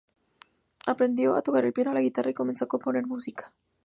Aprendió a toca el piano, la guitarra y comenzó a componer música.